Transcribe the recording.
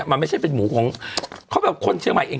มันไม่ใช่เป็นหมูของเขาแบบคนเชียงใหม่เอง